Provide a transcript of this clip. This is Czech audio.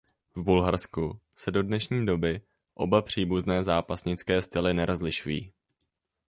V Bulharsku se do dnešní doby oba příbuzné zápasnické styly nerozlišují.